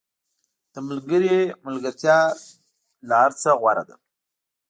• د ملګري ملګرتیا له هر څه غوره ده.